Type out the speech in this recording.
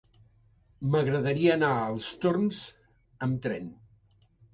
M'agradaria anar als Torms amb tren.